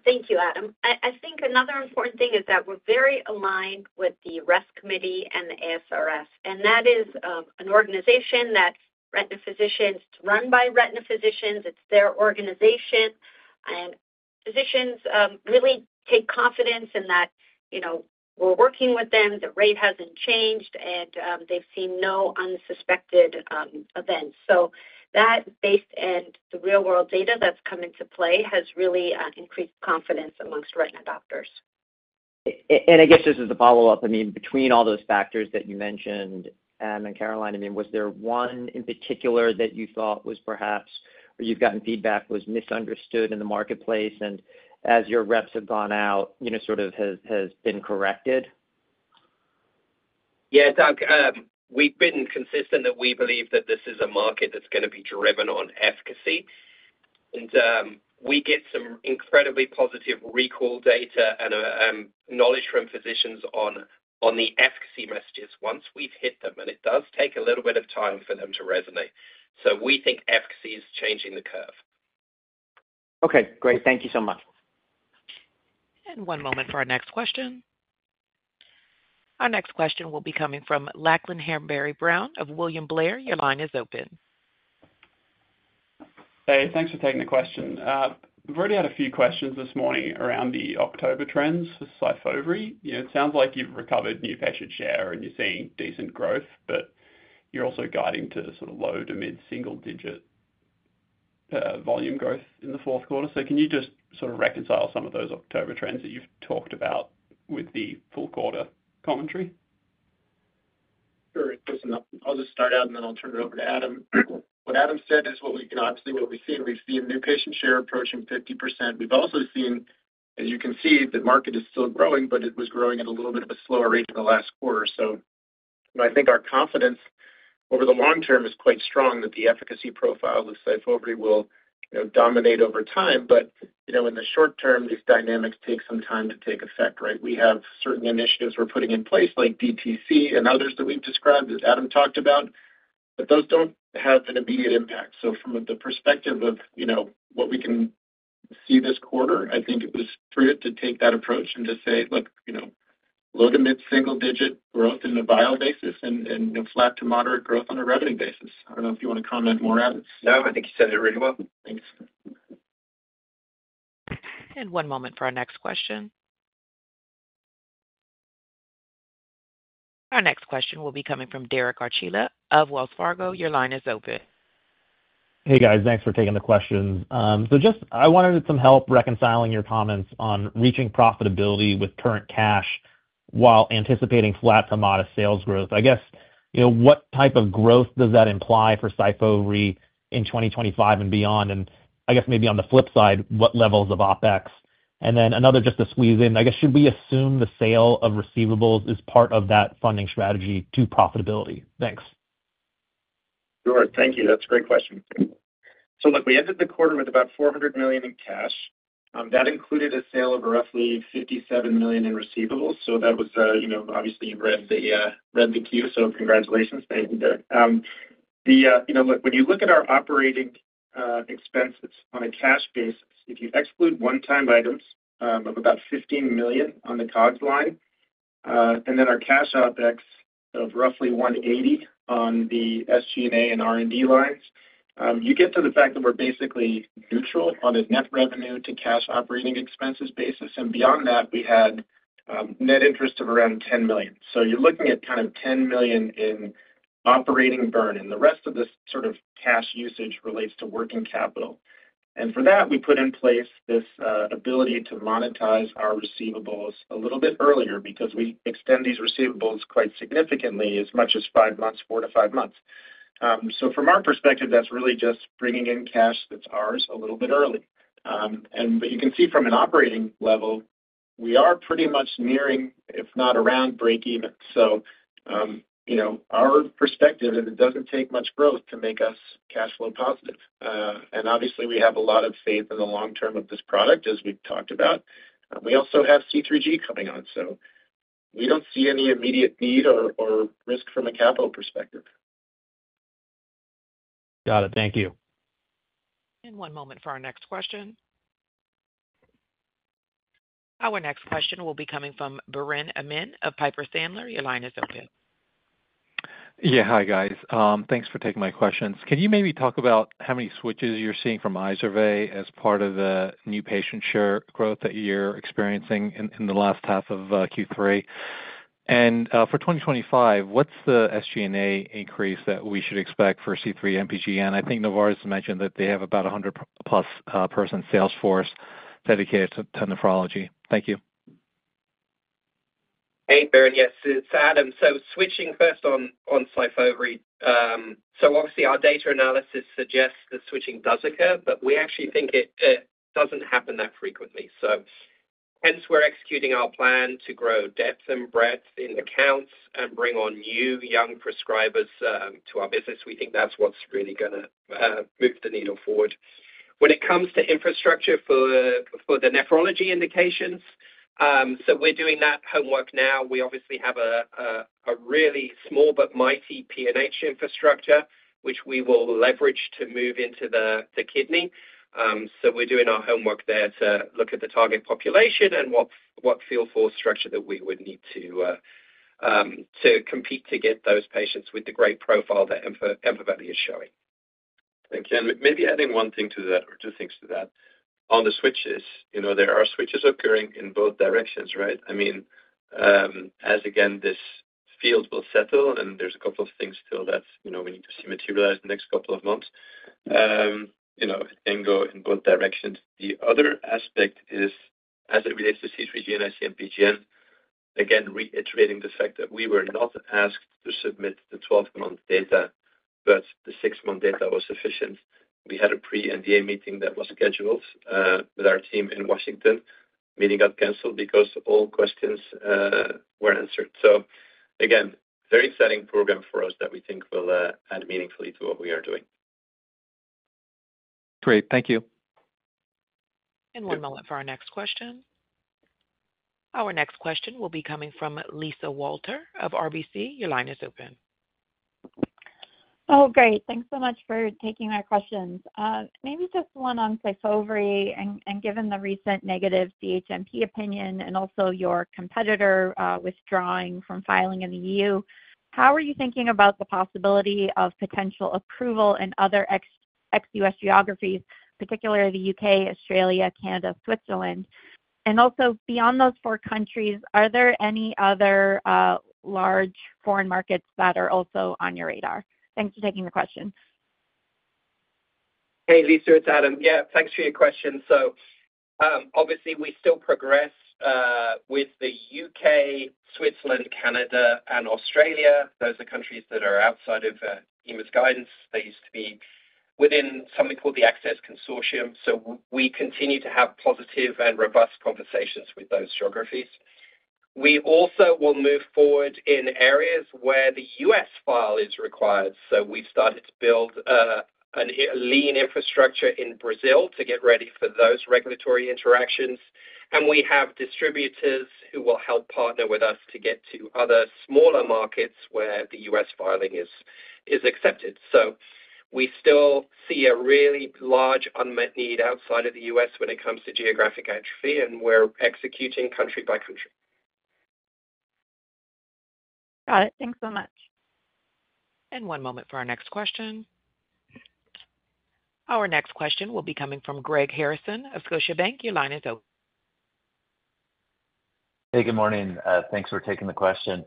E: Thank you, Adam. I think another important thing is that we're very aligned with the ReST Committee and the ASRS, and that is an organization that's run by retina physicians. It's their organization, and physicians really take confidence in that we're working with them. The rate hasn't changed, and they've seen no unexpected events, so that, based on the real-world data that's come into play, has really increased confidence among retina doctors.
Q: I guess this is a follow-up. I mean, between all those factors that you mentioned, Adam and Caroline, I mean, was there one in particular that you thought was perhaps, or you've gotten feedback, was misunderstood in the marketplace and, as your reps have gone out, sort of has been corrected?
D: Yeah, Doug. We've been consistent that we believe that this is a market that's going to be driven on efficacy, and we get some incredibly positive recall data and knowledge from physicians on the efficacy messages once we've hit them, and it does take a little bit of time for them to resonate, so we think efficacy is changing the curve.
Q: Okay. Great. Thank you so much.
A: One moment for our next question. Our next question will be coming from Lachlan Hanbury-Brown of William Blair. Your line is open.
R: Hey, thanks for taking the question. We've already had a few questions this morning around the October trends for SYFOVRE. It sounds like you've recovered new patient share, and you're seeing decent growth, but you're also guiding to sort of low to mid-single-digit volume growth in the fourth quarter. So can you just sort of reconcile some of those October trends that you've talked about with the full quarter commentary?
C: Sure. I'll just start out, and then I'll turn it over to Adam. What Adam said is what we can obviously see. We've seen new patient share approaching 50%. We've also seen, as you can see, the market is still growing, but it was growing at a little bit of a slower rate in the last quarter. So I think our confidence over the long term is quite strong that the efficacy profile of SYFOVRE will dominate over time. But in the short term, these dynamics take some time to take effect, right? We have certain initiatives we're putting in place like DTC and others that we've described that Adam talked about, but those don't have an immediate impact. So from the perspective of what we can see this quarter, I think it was prudent to take that approach and to say, "Look, low to mid-single-digit growth in the vial basis and flat to moderate growth on a revenue basis." I don't know if you want to comment more, Adam. No. I think you said it really well.
R: Thanks.
A: One moment for our next question. Our next question will be coming from Derek Archila of Wells Fargo. Your line is open.
S: Hey, guys. Thanks for taking the questions. So I wanted some help reconciling your comments on reaching profitability with current cash while anticipating flat to modest sales growth. I guess, what type of growth does that imply for SYFOVRE in 2025 and beyond? And I guess maybe on the flip side, what levels of OPEX? And then another just to squeeze in, I guess, should we assume the sale of receivables is part of that funding strategy to profitability? Thanks.
C: Sure. Thank you. That's a great question. So look, we ended the quarter with about $400 million in cash. That included a sale of roughly $57 million in receivables. So that was obviously you read the 10-Q, so congratulations. Thank you, Derek. Look, when you look at our operating expenses on a cash basis, if you exclude one-time items of about $15 million on the COGS line, and then our cash OPEX of roughly $180 million on the SG&A and R&D lines, you get to the fact that we're basically neutral on a net revenue-to-cash operating expenses basis. And beyond that, we had net interest of around $10 million. So you're looking at kind of $10 million in operating burn, and the rest of the sort of cash usage relates to working capital. And for that, we put in place this ability to monetize our receivables a little bit earlier because we extend these receivables quite significantly, as much as four to five months. So from our perspective, that's really just bringing in cash that's ours a little bit early. But you can see from an operating level, we are pretty much nearing, if not around, break-even. So our perspective is it doesn't take much growth to make us cash flow positive. And obviously, we have a lot of faith in the long term of this product, as we've talked about. We also have C3G coming on. So we don't see any immediate need or risk from a capital perspective.
S: Got it. Thank you.
A: One moment for our next question. Our next question will be coming from Biren Amin of Piper Sandler. Your line is open.
T: Yeah. Hi, guys. Thanks for taking my questions. Can you maybe talk about how many switches you're seeing from Izervay as part of the new patient share growth that you're experiencing in the last half of Q3? And for 2025, what's the SG&A increase that we should expect for C3G/IC-MPGN? I think Novartis mentioned that they have about 100-plus-person sales force dedicated to nephrology. Thank you.
D: Hey, Biren. Yes. It's Adam. So switching first on SYFOVRE. So obviously, our data analysis suggests the switching does occur, but we actually think it doesn't happen that frequently. So hence, we're executing our plan to grow depth and breadth in accounts and bring on new young prescribers to our business. We think that's what's really going to move the needle forward. When it comes to infrastructure for the nephrology indications, so we're doing that homework now. We obviously have a really small but mighty PNH infrastructure, which we will leverage to move into the kidney. So we're doing our homework there to look at the target population and what field force structure that we would need to compete to get those patients with the great profile that EMPAVELI is showing.
C: Thank you. And maybe adding one thing to that, or two things to that. On the switches, there are switches occurring in both directions, right? I mean, as again, this field will settle, and there's a couple of things still that we need to see materialize in the next couple of months. It can go in both directions. The other aspect is, as it relates to C3G and IC-MPGN, again, reiterating the fact that we were not asked to submit the 12-month data, but the 6-month data was sufficient. We had a pre-NDA meeting that was scheduled with our team in Washington. Meeting got canceled because all questions were answered. So again, very exciting program for us that we think will add meaningfully to what we are doing.
T: Great. Thank you.
A: One moment for our next question. Our next question will be coming from Lisa Walter of RBC. Your line is open.
U: Oh, great. Thanks so much for taking our questions. Maybe just one on SYFOVRE and given the recent negative CHMP opinion and also your competitor withdrawing from filing in the EU, how are you thinking about the possibility of potential approval in other ex-U.S. geographies, particularly the U.K., Australia, Canada, Switzerland? And also, beyond those four countries, are there any other large foreign markets that are also on your radar? Thanks for taking the question.
D: Hey, Lisa. It's Adam. Yeah. Thanks for your question. So obviously, we still progress with the U.K., Switzerland, Canada, and Australia. Those are countries that are outside of EMA's guidance. They used to be within something called the Access Consortium. So we continue to have positive and robust conversations with those geographies. We also will move forward in areas where the U.S. file is required. So we've started to build a lean infrastructure in Brazil to get ready for those regulatory interactions. And we have distributors who will help partner with us to get to other smaller markets where the U.S. filing is accepted. So we still see a really large unmet need outside of the U.S. when it comes to geographic atrophy, and we're executing country by country.
U: Got it. Thanks so much.
A: And one moment for our next question. Our next question will be coming from Greg Harrison of Scotiabank. Your line is open.
V: Hey, good morning. Thanks for taking the question.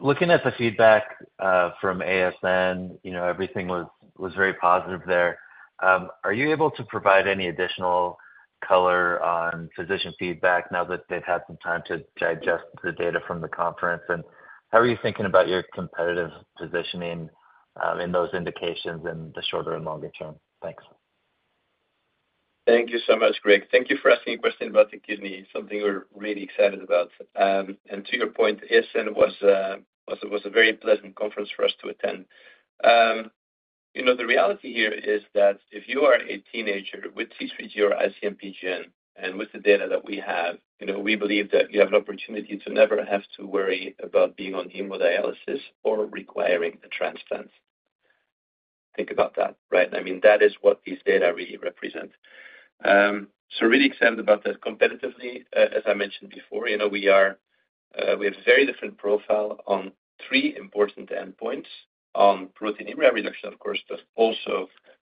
V: Looking at the feedback from ASN, everything was very positive there. Are you able to provide any additional color on physician feedback now that they've had some time to digest the data from the conference? And how are you thinking about your competitive positioning in those indications in the shorter and longer term? Thanks.
C: Thank you so much, Greg. Thank you for asking a question about the kidney. Something we're really excited about. And to your point, ASN was a very pleasant conference for us to attend. The reality here is that if you are a teenager with C3G or IC-MPGN, and with the data that we have, we believe that you have an opportunity to never have to worry about being on hemodialysis or requiring a transplant. Think about that, right? I mean, that is what these data really represent. So really excited about that. Competitively, as I mentioned before, we have a very different profile on three important endpoints: on proteinuria reduction, of course, but also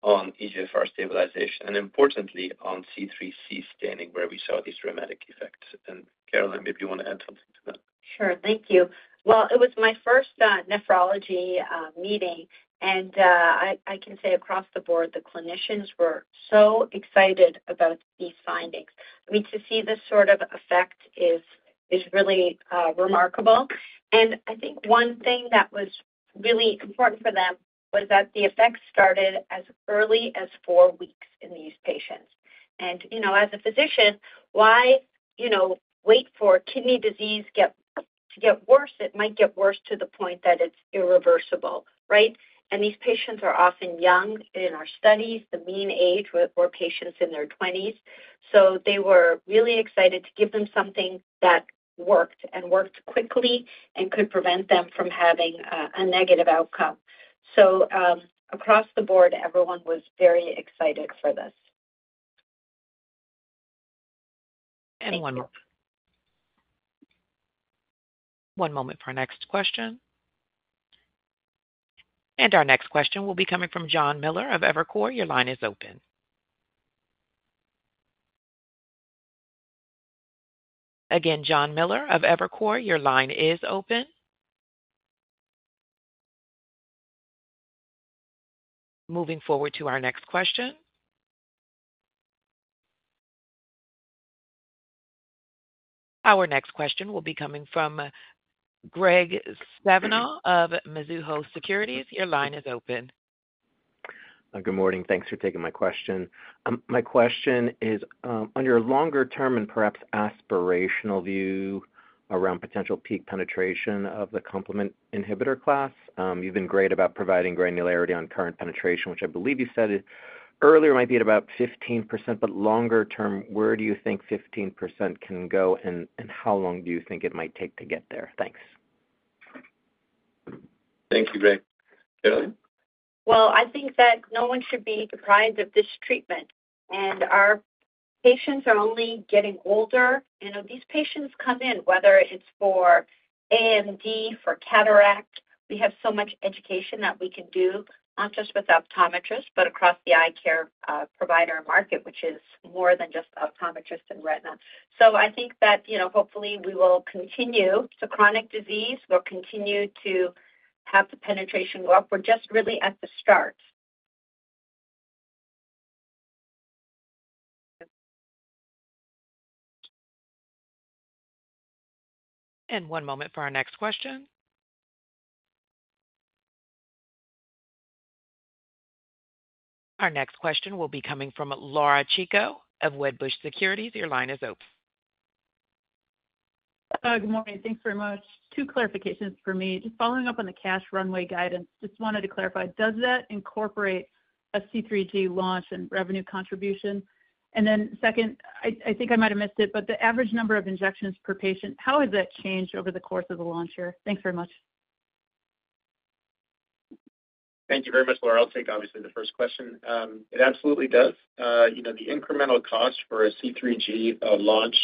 C: on eGFR stabilization, and importantly, on C3C staining, where we saw these dramatic effects. And Caroline, maybe you want to add something to that?
E: Sure. Thank you. Well, it was my first nephrology meeting, and I can say across the board, the clinicians were so excited about these findings. I mean, to see this sort of effect is really remarkable. And I think one thing that was really important for them was that the effects started as early as four weeks in these patients. And as a physician, why wait for kidney disease to get worse? It might get worse to the point that it's irreversible, right? And these patients are often young in our studies, the mean age were patients in their 20s. So they were really excited to give them something that worked and worked quickly and could prevent them from having a negative outcome. So across the board, everyone was very excited for this.
A: One moment for our next question. Our next question will be coming from John Miller of Evercore. Your line is open. Again, John Miller of Evercore. Your line is open. Moving forward to our next question. Our next question will be coming from Graig Suvannavejh of Mizuho Securities. Your line is open.
W: Good morning. Thanks for taking my question. My question is, on your longer-term and perhaps aspirational view around potential peak penetration of the complement inhibitor class, you've been great about providing granularity on current penetration, which I believe you said earlier might be at about 15%. But longer-term, where do you think 15% can go, and how long do you think it might take to get there? Thanks.
C: Thank you, Greg. Caroline? I think that no one should be surprised of this treatment. Our patients are only getting older. These patients come in, whether it's for AMD, for cataract. We have so much education that we can do, not just with optometrists, but across the eye care provider market, which is more than just optometrists and retina. I think that hopefully we will continue. Chronic disease, we'll continue to have the penetration go up. We're just really at the start.
A: One moment for our next question. Our next question will be coming from Laura Chico of Wedbush Securities. Your line is open.
X: Good morning. Thanks very much. Two clarifications for me. Just following up on the cash runway guidance, just wanted to clarify, does that incorporate a C3G launch and revenue contribution? And then second, I think I might have missed it, but the average number of injections per patient, how has that changed over the course of the launch year? Thanks very much.
C: Thank you very much, Laura. I'll take obviously the first question. It absolutely does. The incremental cost for a C3G launch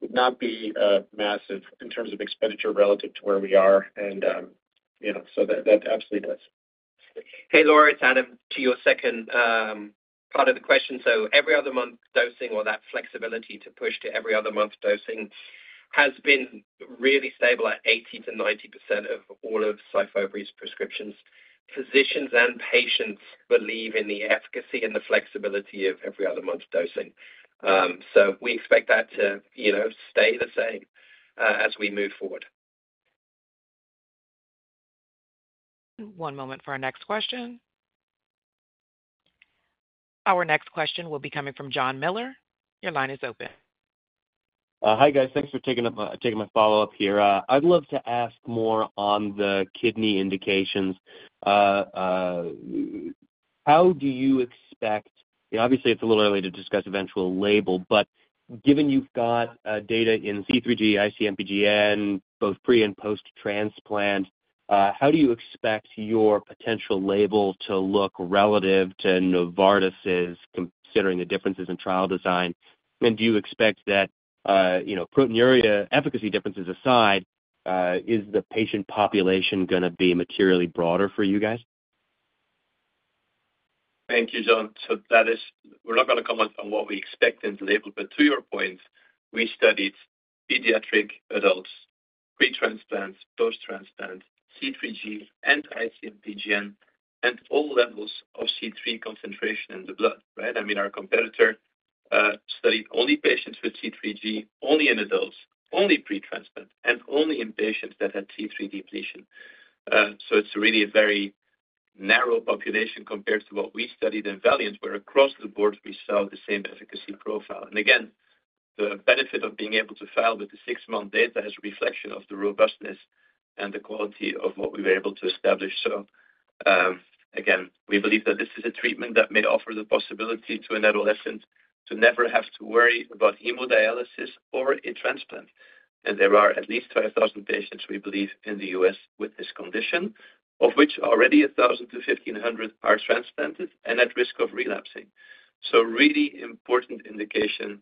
C: would not be massive in terms of expenditure relative to where we are. And so that absolutely does.
D: Hey, Laura. It's Adam to your second part of the question. So every other month dosing or that flexibility to push to every other month dosing has been really stable at 80%-90% of all of Syfovry's prescriptions. Physicians and patients believe in the efficacy and the flexibility of every other month dosing. So we expect that to stay the same as we move forward.
A: One moment for our next question. Our next question will be coming from John Miller. Your line is open.
G: Hi, guys. Thanks for taking my follow-up here. I'd love to ask more on the kidney indications. Obviously, it's a little early to discuss eventual label, but given you've got data in C3G, IC-MPGN, both pre and post-transplant, how do you expect your potential label to look relative to Novartis' considering the differences in trial design? And do you expect that proteinuria, efficacy differences aside, is the patient population going to be materially broader for you guys?
C: Thank you, John. So we're not going to comment on what we expect in the label, but to your point, we studied pediatric adults, pre-transplant, post-transplant, C3G, and IC-MPGN, and all levels of C3 concentration in the blood, right? I mean, our competitor studied only patients with C3G, only in adults, only pre-transplant, and only in patients that had C3 depletion. So it's really a very narrow population compared to what we studied in VALIANT, where across the board, we saw the same efficacy profile. And again, the benefit of being able to file with the six-month data is a reflection of the robustness and the quality of what we were able to establish. So again, we believe that this is a treatment that may offer the possibility to an adolescent to never have to worry about hemodialysis or a transplant. And there are at least 5,000 patients, we believe, in the U.S. with this condition, of which already 1,000-1,500 are transplanted and at risk of relapsing. So really important indication,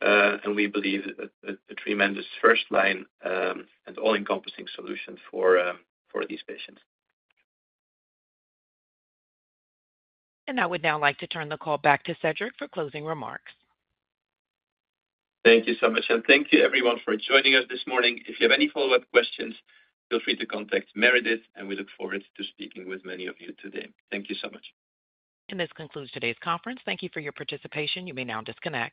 C: and we believe a tremendous first-line and all-encompassing solution for these patients.
A: I would now like to turn the call back to Cedric for closing remarks.
C: Thank you so much. And thank you, everyone, for joining us this morning. If you have any follow-up questions, feel free to contact Meredith, and we look forward to speaking with many of you today. Thank you so much.
A: This concludes today's conference. Thank you for your participation. You may now disconnect.